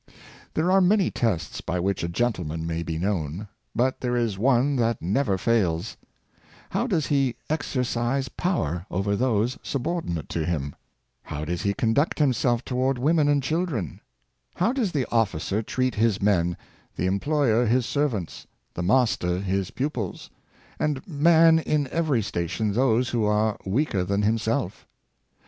There are many tests by which a gentleman may be known; but there is one that never fails — How does he exercise 'power over those subordinate to him ? How does he conduct himself towards women and children? How does the officer treat his men, the employer his servants, the master his pupils, and man in every sta tion those who are weaker than himself?